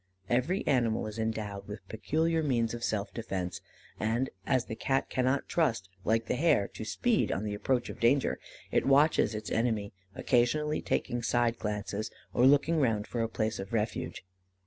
Every animal is endowed with peculiar means of self defence; and as the Cat cannot trust, like the hare, to speed, on the approach of danger, it watches its enemy, occasionally taking side glances, or looking round for a place of refuge.